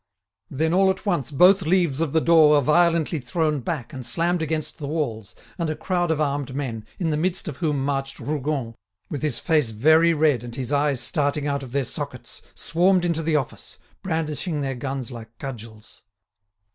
Then, all at once both leaves of the door were violently thrown back and slammed against the walls, and a crowd of armed men, in the midst of whom marched Rougon, with his face very red and his eyes starting out of their sockets, swarmed into the office, brandishing their guns like cudgels.